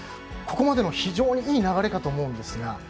ここまで非常にいい流れかと思いますが。